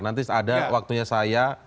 nanti ada waktunya saya